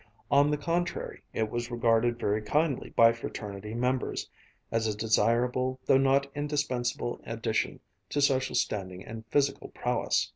On the contrary it was regarded very kindly by fraternity members, as a desirable though not indispensable addition to social standing and physical prowess.